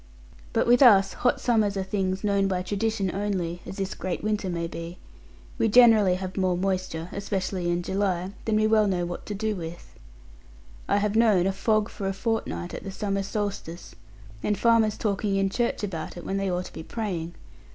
But with us, hot summers are things known by tradition only (as this great winter may be); we generally have more moisture, especially in July, than we well know what to do with. I have known a fog for a fortnight at the summer solstice, and farmers talking in church about it when they ought to be praying.